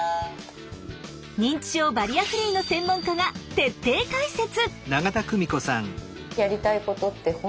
認知症バリアフリーの専門家が徹底解説！